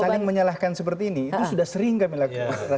saling menyalahkan seperti ini itu sudah sering kami lakukan